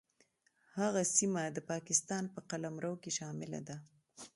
هغه سیمه د پاکستان په قلمرو کې شامله ده.